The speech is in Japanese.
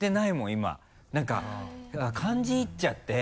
今なんか感じ入っちゃって。